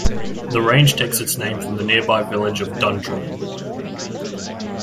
The range takes its name from the nearby village of Dundrennan.